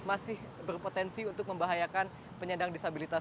masih berpotensi untuk membahayakan penyandang disabilitas